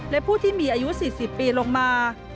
และผู้ที่มีอายุ๔๐ปีลงมา